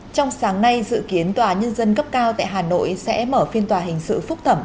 trong sáng nay dự kiến tòa nhân dân cấp cao tại hà nội sẽ mở phiên tòa hình sự phúc thẩm